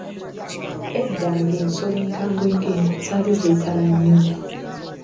Edda ng’ensolo enkambwe ng’engo zaali zeetala nnyo.